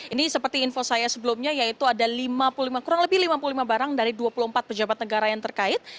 ini seperti info saya sebelumnya yaitu ada lima puluh lima kurang lebih lima puluh lima barang dari dua puluh empat pejabat negara yang terkait